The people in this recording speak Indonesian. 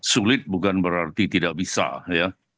sulit bukan berarti tidak bisa ya